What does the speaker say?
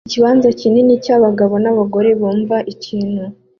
Ikibanza kinini cyabagabo nabagore bumva ikintu